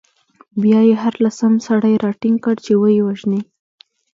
بیا يې هر لسم سړی راټینګ کړ، چې ویې وژني.